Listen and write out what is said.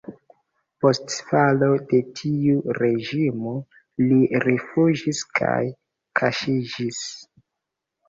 Post falo de tiu reĝimo li rifuĝis kaj kaŝiĝis.